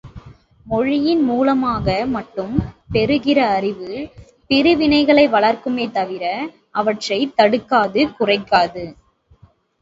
மொழியின் மூலமாக மட்டும் பெறுகிற அறிவு பிரிவினைகளை வளர்க்குமே தவிர அவற்றைத் தடுக்காது குறைக்காது.